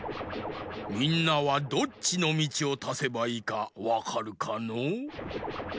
みんなはどっちのみちをたせばいいかわかるかのう？